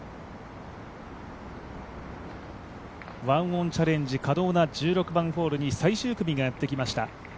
１オンチャレンジ可能な１６番ホールに最終組がやってきました。